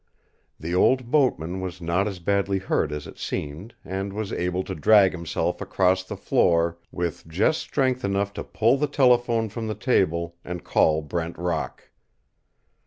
The old boatman was not as badly hurt as it seemed and was able to drag himself across the floor with just strength enough to pull the telephone from the table and call Brent Rock.